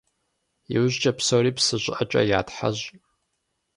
ИужькӀэ псори псы щӀыӀэкӀэ ятхьэщӀ.